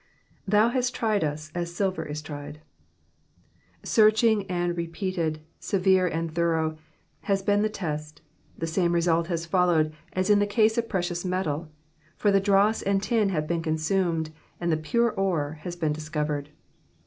^^Thou hast tried us, as silver is tiied.''^ Searching and repeated, severe and thorough, has been the test ; the same result has followed as in the case of precious metal, for the dross and tin have been consumed, and the pure ore has been discovered.